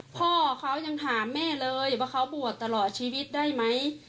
พ่อเขายังถามแม่เลยว่าเขาบวชตลอดชีวิตได้ไหม